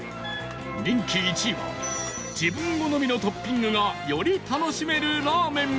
人気１位は自分好みのトッピングがより楽しめるラーメンか？